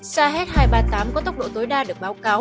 kh hai trăm ba mươi tám có tốc độ tối đa được báo cáo